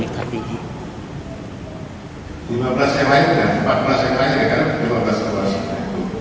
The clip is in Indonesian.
empat belas yang lain ya karena lima belas kelas itu